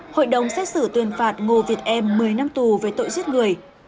hội đồng xét xử tuyên phạt ngô việt em một mươi năm tù về tội giết người